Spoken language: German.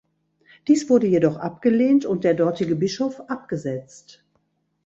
Dies wurde jedoch abgelehnt und der dortige Bischof abgesetzt.